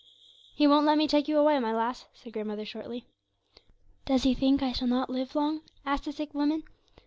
'He won't let me take you away, my lass,' said grandmother, shortly. 'Does he think I shall not live long?' asked the sick woman.